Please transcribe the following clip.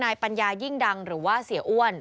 ปัญญายิ่งดังหรือว่าเสียอ้วน